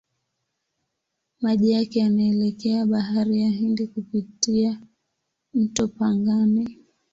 Maji yake yanaelekea Bahari ya Hindi kupitia mto Pangani.